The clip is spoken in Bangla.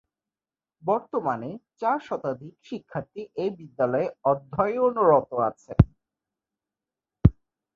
বর্তমানে চার শতাধিক শিক্ষার্থী এ বিদ্যালয়ে অধ্যয়নরত আছে।